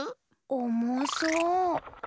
おもそう。